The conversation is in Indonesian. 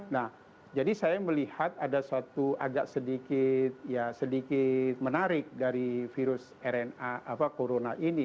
nah jadi saya melihat ada suatu agak sedikit ya sedikit menarik dari virus rna corona ini